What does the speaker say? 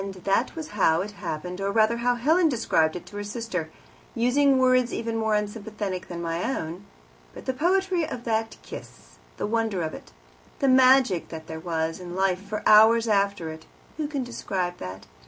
That was "how it happened," or, rather, how Helen described it to her sister, using words even more unsympathetic than my own. But the poetry of that kiss, the wonder of it, the magic that there was in life for hours after it who can describe that?